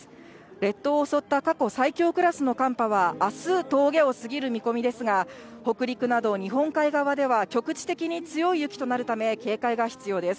列島を襲った過去最強クラスの寒波は、あす峠を過ぎる見込みですが、北陸など日本海側では、局地的に強い雪となるため、警戒が必要です。